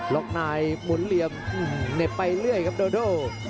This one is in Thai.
นายหมุนเหลี่ยมเหน็บไปเรื่อยครับโดโด